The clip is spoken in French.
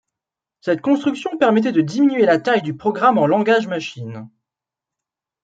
Cette construction permettait de diminuer la taille du programme en langage machine.